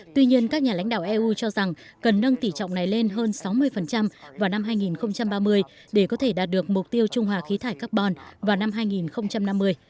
tuy nhiên các nhà lãnh đạo eu cho rằng cần nâng tỷ trọng này lên hơn sáu mươi vào năm hai nghìn ba mươi để có thể đạt được mục tiêu trung hòa khí thải carbon vào năm hai nghìn năm mươi